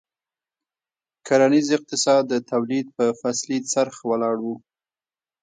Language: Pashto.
کرنیز اقتصاد د تولید په فصلي څرخ ولاړ و.